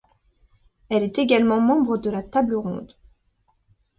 Elle est également membre de la Table Ronde.